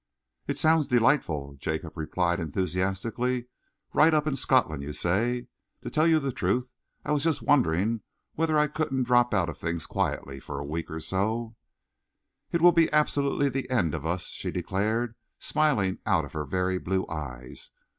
"It sounds delightful," Jacob replied enthusiastically. "Right up in Scotland you say? To tell you the truth, I was just wondering whether I couldn't drop out of things quietly for a week or so." "It will be absolutely the end of us," she declared, smiling out of her very blue eyes.